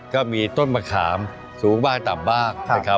ก็มีต้นมะขามสูงบ้างต่ำบ้าง